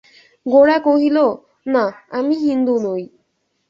গোরা কহিল, না, আমি হিন্দু নই।